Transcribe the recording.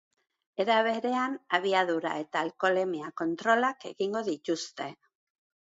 Era berean, abiadura eta alkoholemia kontrolak egingo dituzte.